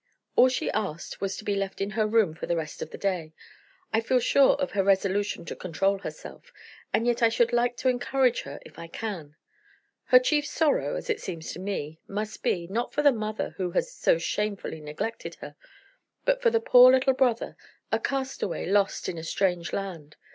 All she asked was to be left in her room for the rest of the day. I feel sure of her resolution to control herself; and yet I should like to encourage her if I can. Her chief sorrow (as it seems to me) must be not for the mother who has so shamefully neglected her but for the poor little brother, a castaway lost in a strange land.